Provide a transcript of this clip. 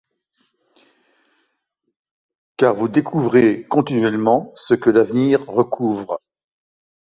Car vous découvrez continuellement ce que l'avenir recouvre.